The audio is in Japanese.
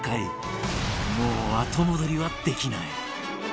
もう後戻りはできない